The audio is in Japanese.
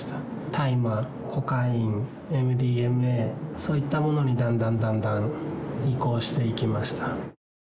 大麻、コカイン、ＭＤＭＡ、そういったものにだんだんだんだん移行していきました。